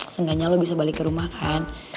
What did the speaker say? senggaknya lo bisa balik kerumah kan